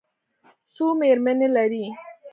څو مېرمنې لري؟